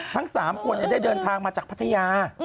ทั้ง๓คนได้เดินทางมาจากพัทยา